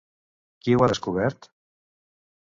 Qui ho ha descobert?